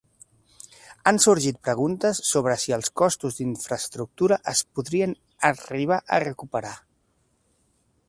Han sorgit preguntes sobre si els costos d'infraestructura es podrien arribar a recuperar.